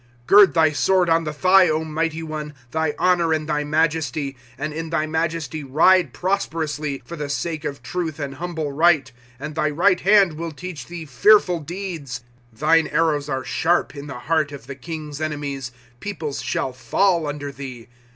^ Gird thy sword on the thigh, Mighty One, Thy honor and thy majesty ;* And in thy majesty ride prosperously, For the sake of truth and humble right, And thy right hand will teach thee fearful deeds. ^ Thine arrows are sharp, In the hearts of the king's enemies ; Peoples shall fall under thee.